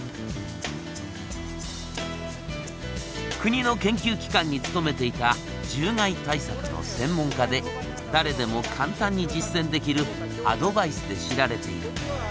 国の研究機関に勤めていた獣害対策の専門家で誰でも簡単に実践できるアドバイスで知られている。